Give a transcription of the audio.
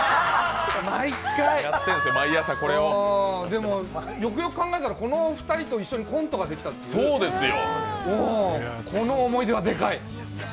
毎回でも、よくよく考えたらこの２人とコントができたというこの思い出はでかい。